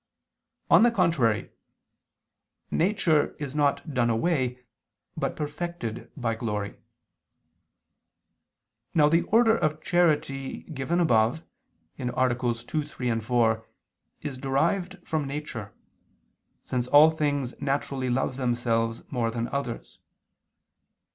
On the contrary, Nature is not done away, but perfected, by glory. Now the order of charity given above (AA. 2, 3, 4) is derived from nature: since all things naturally love themselves more than others.